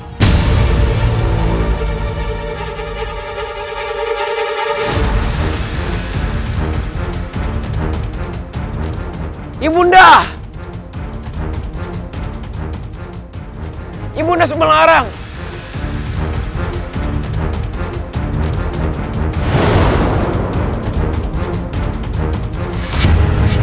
tidak ada yang bisa melihatnya